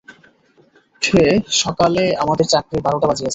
সে সকালে আমাদের চাকরির বারোটা বাজিয়েছে।